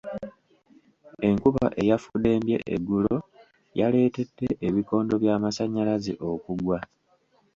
Enkuba eyafuddembye eggulo yaleetedde ebikondo by'amasannyalaze okugwa.